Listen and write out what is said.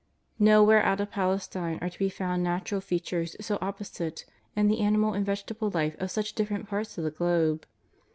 Nowhere out of Pal estine are to be found natural features so opposite, and the animal and vegetable life of such diilerent parts of the globe.